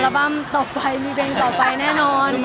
หมายถึงว่าความดังของผมแล้วทำให้เพื่อนมีผลกระทบอย่างนี้หรอค่ะ